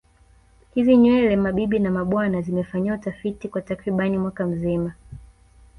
Hizi nywele mabibi na mabwana zimefanyiwa utafiti kwa takriban mwaka mzima